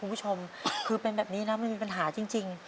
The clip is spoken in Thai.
คุณผู้ชมคือเป็นแบบนี้นะมันมีปัญหาจริง